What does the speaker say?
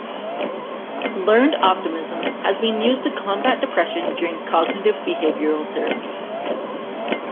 Learned optimism has been used to combat depression during cognitive behavioral therapy.